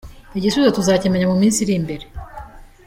Igisubizo tuzakimenya mu minsi iri imbere.